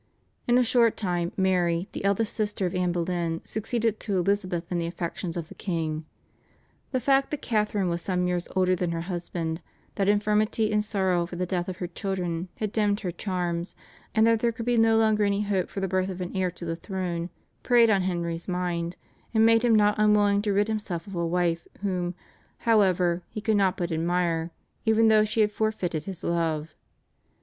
In a short time Mary, the eldest sister of Anne Boleyn, succeeded to Elizabeth in the affections of the king. The fact that Catharine was some years older than her husband, that infirmity and sorrow for the death of her children had dimmed her charms, and that there could be no longer any hope for the birth of an heir to the throne, preyed on Henry's mind and made him not unwilling to rid himself of a wife, whom, however, he could not but admire even though she had forfeited his love.